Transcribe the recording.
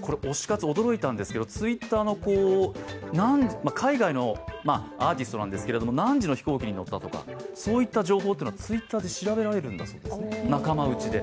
これ推し活、驚いたんですが、Ｔｗｉｔｔｅｒの海外のアーティストなんですけれども何時の飛行機に乗ったとかそういった情報はＴｗｉｔｔｅｒで調べられるんだそうですね、仲間うちで。